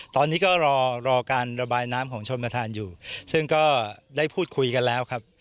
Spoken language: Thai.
ตอนนี้ก็รอรอการระบายน้ำของชนประธานอยู่ซึ่งก็ได้พูดคุยกันแล้วครับ